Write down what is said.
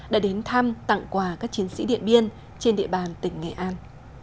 đã đến thăm tặng quà các chiến sĩ điện biên trên địa bàn tỉnh nghệ an